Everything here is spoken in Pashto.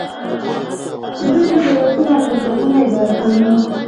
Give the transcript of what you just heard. دوی تجارتونه او شرکتونه اداره کوي.